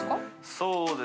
そうです。